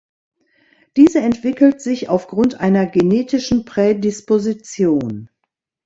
Diese entwickelt sich aufgrund einer genetischen Prädisposition.